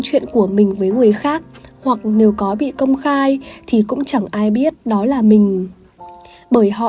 chuyện của mình với người khác hoặc nếu có bị công khai thì cũng chẳng ai biết đó là mình bởi họ